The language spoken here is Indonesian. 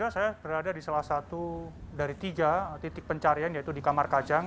saya berada di salah satu dari tiga titik pencarian yaitu di kamar kajang